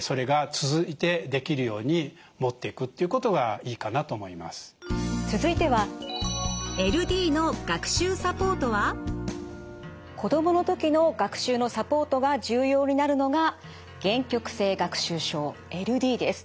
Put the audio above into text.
続いては子どもの時の学習のサポートが重要になるのが限局性学習症ＬＤです。